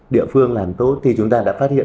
địa phương làm tốt thì chúng ta đã phát hiện